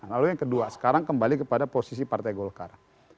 lalu yang kedua sekarang kembali kepada posisi partai golkar